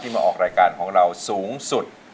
มาออกรายการของเราสูงสุด